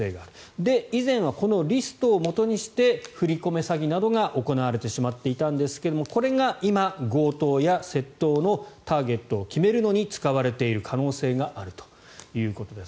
で、以前はこのリストをもとにして振り込め詐欺などが行われてしまっていたんですがこれが今、強盗や窃盗のターゲットを決めるのに使われている可能性があるということです。